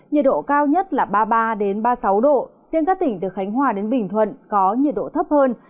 nhiệt độ cao nhất là ba mươi ba ba mươi sáu độ riêng các tỉnh từ khánh hòa đến bình thuận có nhiệt độ thấp hơn